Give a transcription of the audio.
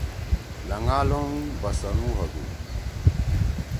لنگالونگ بسَنُو ہودُو۔